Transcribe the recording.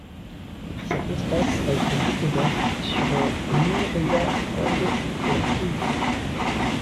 Cette espèce a été découverte sur un myriapode de la Trinité.